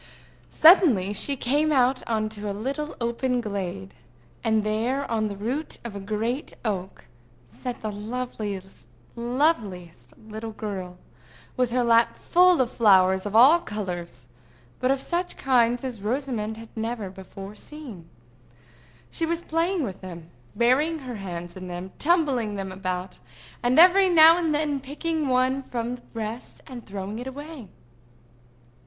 Suddenly she came out on a little open glade; and there, on the root of a great oak, sat the loveliest little girl, with her lap full of flowers of all colors, but of such kinds as Rosamond had never before seen. She was playing with them—burying her hands in them, tumbling them about, and every now and then picking one from the rest, and throwing it away.